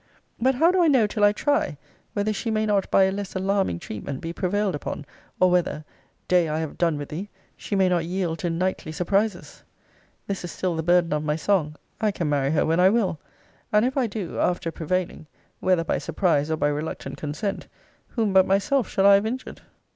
But how do I know till I try, whether she may not by a less alarming treatment be prevailed upon, or whether [day, I have done with thee!] she may not yield to nightly surprises? This is still the burden of my song, I can marry her when I will. And if I do, after prevailing (whether by surprise, or by reluctant consent) whom but myself shall I have injured?